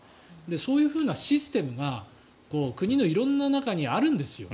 そういうふうなシステムが国の色んな中にあるんです。